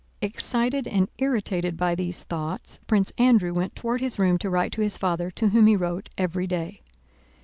Excited and irritated by these thoughts Prince Andrew went toward his room to write to his father, to whom he wrote every day.